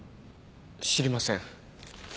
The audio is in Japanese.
知りません。